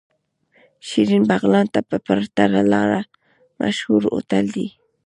شيرين بغلان ته په پرته لاره مشهور هوټل دی.